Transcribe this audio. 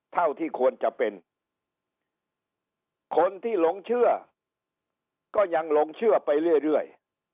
เท่าที่ควรจะเป็นคนที่หลงเชื่อก็ยังหลงเชื่อไปเรื่อย